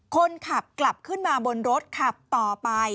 คนขับกลับขึ้นมาบนรถขับต่อไป